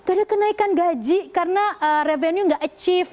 ada kenaikan gaji karena revenue gak achieve